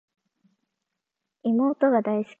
妹が大好き